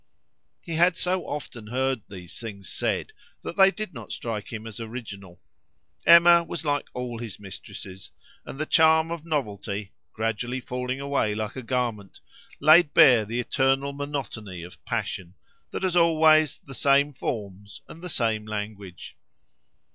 He had so often heard these things said that they did not strike him as original. Emma was like all his mistresses; and the charm of novelty, gradually falling away like a garment, laid bare the eternal monotony of passion, that has always the same forms and the same language.